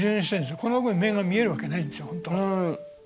この部分に目が見えるわけないんですよ本当は。